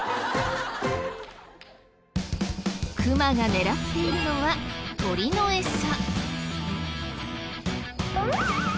クマが狙っているのは鳥のエサ。